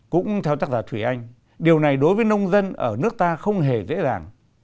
cũng theo tác giả thủy anh điều này đối với nông dân ở nước ta không hề dễ dàng